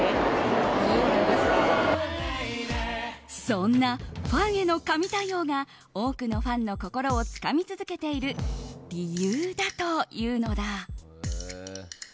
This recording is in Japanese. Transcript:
そんなファンへの神対応が多くのファンの心をつかみ続けている理由だというのだ。